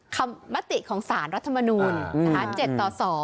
มติของสารรัฐมนูล๗ต่อ๒